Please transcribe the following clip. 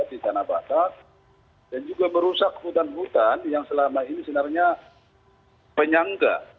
di tanah batak dan juga merusak hutan hutan yang selama ini sebenarnya penyangga